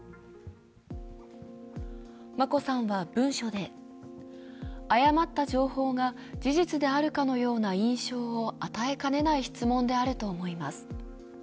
眞子さんは文書で、誤った情報が事実であるかのような印象を与えかねない質問であると思います。